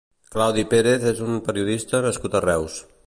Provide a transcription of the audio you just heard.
Claudi Pérez és un periodista nascut a Reus.